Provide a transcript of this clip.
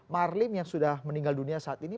marlim yang sudah meninggal dunia saat ini